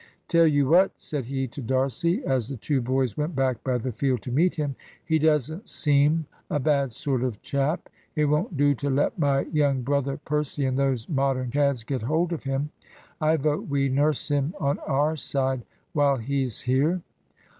"Tell you what," said he to D'Arcy, as the two boys went back by the field to meet him, "he doesn't seem a bad sort of chap it won't do to let my young brother Percy and those Modern cads get hold of him. I vote we nurse him on our side while he's here."